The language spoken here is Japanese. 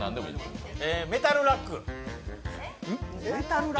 メタルラック。